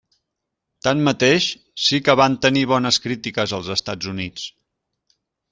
Tanmateix, sí que van tenir bones crítiques als Estats Units.